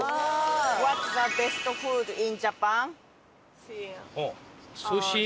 ホワッツザベストフードインジャパン？